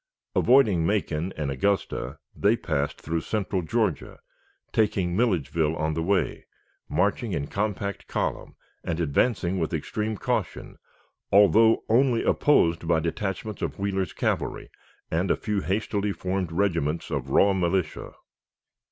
Avoiding Macon and Augusta, they passed through central Georgia, taking Milledgeville on the way, marching in compact column, and advancing with extreme caution, although only opposed by detachments of Wheeler's cavalry and a few hastily formed regiments of raw militia.